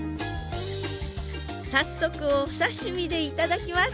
早速お刺身で頂きます！